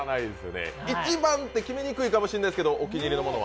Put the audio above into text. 一番って決めにくいかもしれないけどお気に入りのものは？